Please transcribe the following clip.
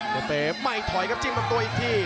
ก็เต้มไม่ถอยกับจิ้มกันตัวอีกที